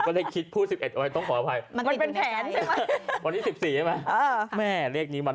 คือเมื่อวานผมไปวัด